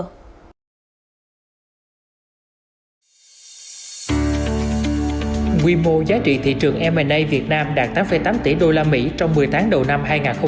quy mô giá trị thị trường m a việt nam đạt tám tám tỷ usd trong một mươi tháng đầu năm hai nghìn hai mươi bốn